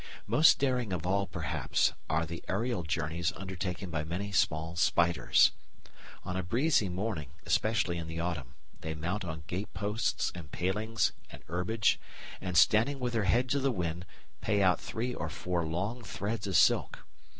Most daring of all, perhaps, are the aerial journeys undertaken by many small spiders. On a breezy morning, especially in the autumn, they mount on gate posts and palings and herbage, and, standing with their head to the wind, pay out three or four long threads of silk.